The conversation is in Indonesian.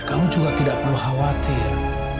kamu juga tidak perlu khawatir